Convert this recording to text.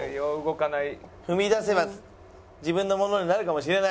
踏み出せば自分のものになるかもしれない。